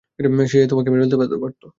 সে তোমাকে মেরে ফেলতে পারত।